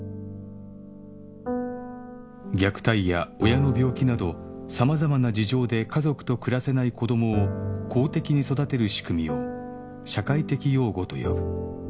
虐待や親の病気など様々な事情で家族と暮らせない子どもを公的に育てる仕組みを社会的養護と呼ぶ